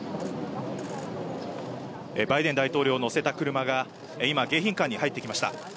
バイデン大統領を乗せた車が、今、迎賓館に入っていきました。